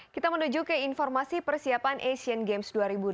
kita menuju ke informasi persiapan asian games dua ribu delapan belas